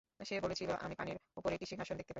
সে বলেছিল, আমি পানির উপর একটি সিংহাসন দেখতে পাই।